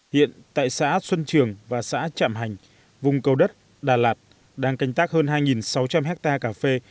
hiện tại xã xuân trường và xã trạm hành vùng cầu đất đà lạt đang canh tác hơn hai sáu trăm linh hectare cà phê